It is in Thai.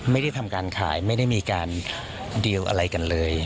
ไม่ได้ทำการขายไม่ได้มีการดีลอะไรกันเลย